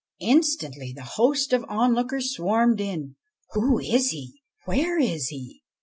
Instantly the host of onlookers swarmed in. ' Who is he ? Where is he